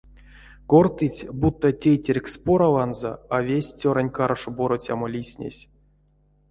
Кортыть, буто тейтерькс пораванзо а весть цёрань каршо бороцямо лиснесь.